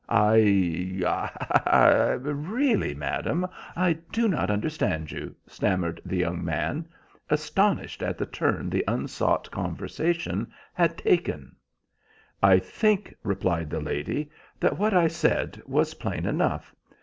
"I—I—really, madam, I do not understand you," stammered the young man, astonished at the turn the unsought conversation had taken. "I think," replied the lady, "that what I said was plain enough.